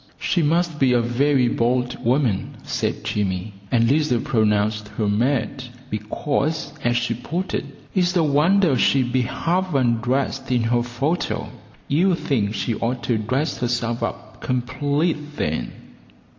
"She must be a very bold woman," said Jimmy; and Lizer pronounced her mad because, as she put it, "It's a wonder she'd be half undressed in her photo; you'd think she oughter dress herself up complete then."